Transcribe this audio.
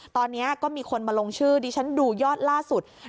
ตอนนี้ก็มีคนมาลงชื่อดิฉันดูยอดล่าสุด